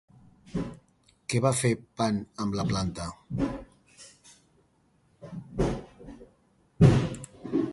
Què va fer Pan amb la planta?